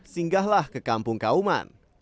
singgahlah ke kampung kauman